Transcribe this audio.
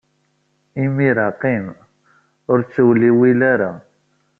Imir-a, qqim, ur ttewliwil ara.